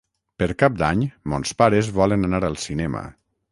Per Cap d'Any mons pares volen anar al cinema.